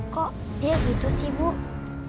kok dia gitu sih bu di jalanan lagi